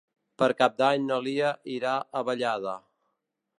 Per Cap d'Any na Lia irà a Vallada.